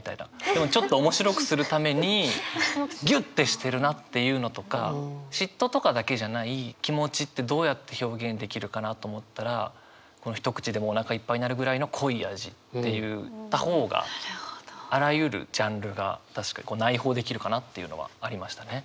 でもちょっと面白くするためにギュッてしてるなっていうのとか嫉妬とかだけじゃない気持ちってどうやって表現できるかなと思ったらこの「一口でもお腹いっぱいになるくらいの濃い味」って言った方があらゆるジャンルが内包できるかなっていうのはありましたね。